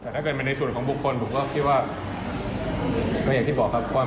แต่ถ้าเกิดเป็นในส่วนของบุคคลผมก็คิดว่าก็อย่างที่บอกครับ